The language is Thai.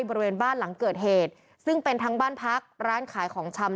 บริเวณบ้านหลังเกิดเหตุซึ่งเป็นทั้งบ้านพักร้านขายของชำ